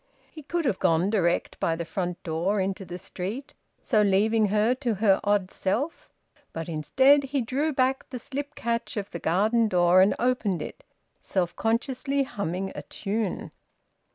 He could have gone direct by the front door into the street, so leaving her to her odd self; but, instead, he drew back the slip catch of the garden door and opened it, self consciously humming a tune.